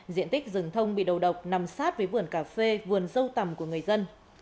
diện tích rừng thông bị đầu độc nằm sát với vườn cà phê vườn dâu tầm của người dân